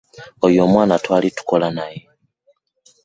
Oyo omwana twaali tukola naye.